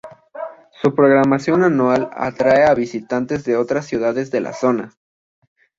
Su programación anual atrae a visitantes de otras ciudades de la zona.